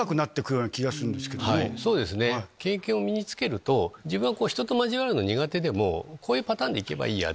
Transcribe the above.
経験を身に付けると人と交わるの苦手でもこういうパターンでいけばいいや！